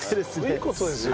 すごい事ですよ。